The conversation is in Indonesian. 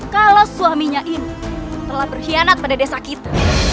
kalau suaminya ini telah berkhianat pada desa kita